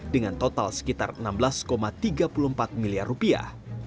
dengan total sekitar enam belas tiga puluh empat miliar rupiah